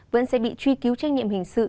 vẫn sẽ bị truy cứu trách nhiệm hình sự